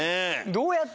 どうやって？